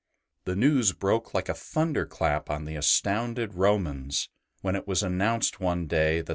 The news broke like a thunder clap on the astounded Romans when it was announced one day that the 8 114 ST.